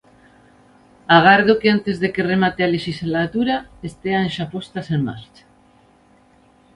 Agardo que antes de que remate a lexislatura estean xa postas en marcha.